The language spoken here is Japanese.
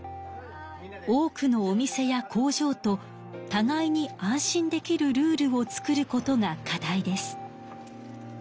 多くのお店や工場とたがいに安心できるルールを作ることが課題です。